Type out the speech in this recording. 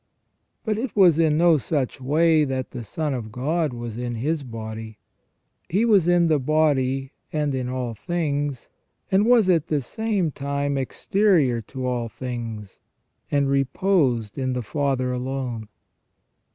But it was in no such way that the Son of God was in His body. He was in the body, and in all things, and was at the same time exterior to all things, and reposed in the Father alone.